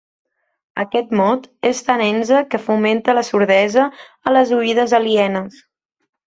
Aquest mot és tan enze que fomenta la sordesa a les oïdes alienes.